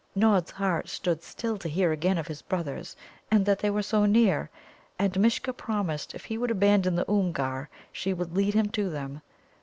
'" Nod's heart stood still to hear again of his brothers, and that they were so near. And Mishcha promised if he would abandon the Oomgar, she would lead him to them.